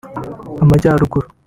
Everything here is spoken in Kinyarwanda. Amajyaruguru